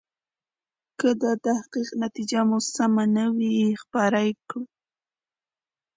که د تحقیق نتیجه مو سمه نه وي خپره کړو.